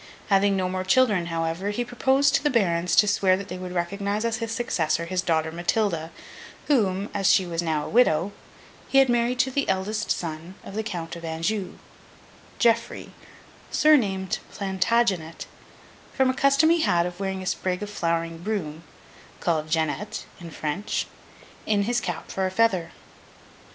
Having no more children, however, he proposed to the Barons to swear that they would recognise as his successor, his daughter Matilda, whom, as she was now a widow, he married to the eldest son of the Count of Anjou, Geoffrey, surnamed Plantagenet, from a custom he had of wearing a sprig of flowering broom (called Genêt in French) in his cap for a feather.